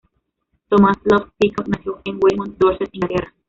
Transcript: Thomas Love Peacock nació en Weymouth, Dorset, Inglaterra.